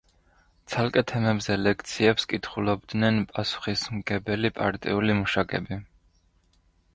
ცალკე თემებზე ლექციებს კითხულობდნენ პასუხისმგებელი პარტიული მუშაკები.